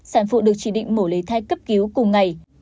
sản phụ được chỉ định mổ lấy thai cấp cứu cùng ngày